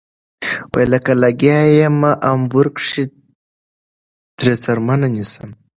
لکه لګيا يمه امبور کښې ترې څرمنه نيسم